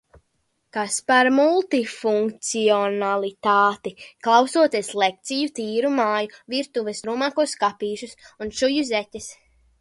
Kas par multifunkcionalitāti! Klausoties lekciju, tīru māju, virtuves drūmākos skapīšus un šuju zeķes.